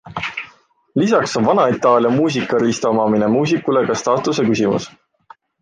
Lisaks on vana Itaalia muusikariista omamine muusikule ka staatuse küsimus.